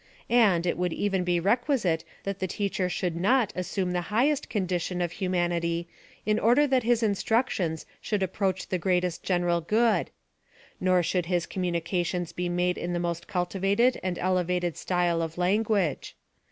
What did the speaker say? And, it would even be requisite that the teacher should not assume thp hicrhest condition of humanity in order that his in structions should accomplish the greatest genera] good ; nor should his communications be made in the most cultivated and elevated style of language.